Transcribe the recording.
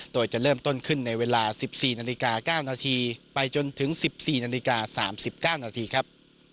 โดยจะเริ่มต้นขึ้นในเวลา๑๔นาฬิกา๙นาทีไปจนถึง๑๔นาฬิกา๓๙นาทีครับ